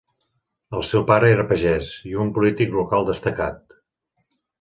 El seu pare era pagès i un polític local destacat.